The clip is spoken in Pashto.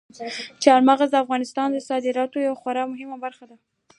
چار مغز د افغانستان د صادراتو یوه خورا مهمه برخه ده.